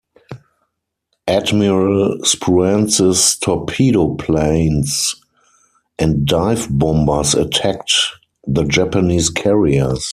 Admiral Spruance's torpedo planes and dive-bombers attacked the Japanese carriers.